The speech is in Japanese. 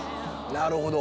なるほど。